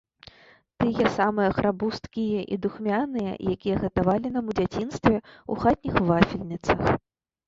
Тыя самыя храбусткія і духмяныя, якія гатавалі нам у дзяцінстве ў хатніх вафельніцах.